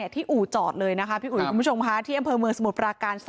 อู่จอดเลยนะคะพี่อุ๋ยคุณผู้ชมค่ะที่อำเภอเมืองสมุทรปราการ๓